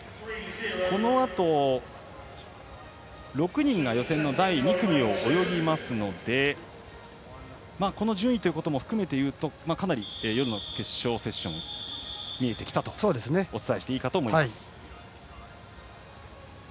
このあと６人が予選の第２組を泳ぎますのでこの順位ということを含めて言うとかなり夜の決勝セッションが見えてきたとお伝えしていいかと思います。